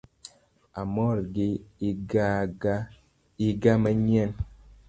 Amor gi iga manyien